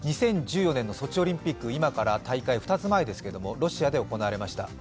２０１４年のソチオリンピック、今から大会、２つ前ですけどロシアで行われました。